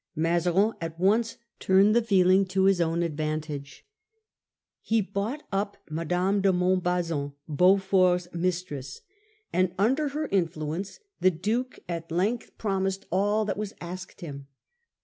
Mazarin at once turned the feeling to his own advantage. He bought up Mme. de Montbazon, Beaufort's mistress, and under her influence the Duke at length promised all > that was asked him.